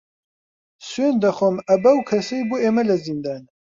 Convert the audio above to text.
سوێند دەخۆم ئە بەو کەسەی بۆ ئێمە لە زیندانە